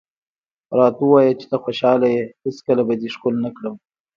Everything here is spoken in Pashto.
راته ووایه چې ته خوشحاله یې، هېڅکله به دې ښکل نه کړم.